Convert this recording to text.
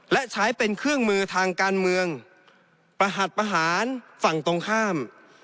และใช้เป็นเครื่องมือทางการเมืองประหัสประหารฝั่งตรงข้าม